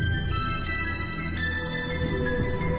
นี่แหละค่ะคุณผู้ชมฮะ